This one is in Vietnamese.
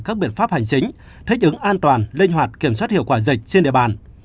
các biện pháp hành chính thích ứng an toàn linh hoạt kiểm soát hiệu quả dịch trên địa bàn